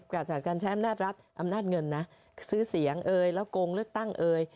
ราชการใช้อำนาจรัฐอำนาจเงินนะซื้อเสียงเอ่ยแล้วโกงเลือกตั้งเอ่ย